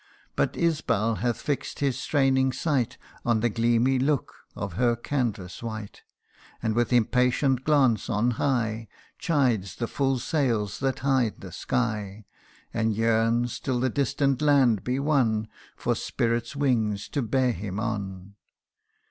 But Isbal hath fix'd his straining sight On the gleamy look of her canvas white, And with impatient glance on high Chides the full sails that hide the sky ; And yearns, till that distant land be won, For spirits' wings to bear him on.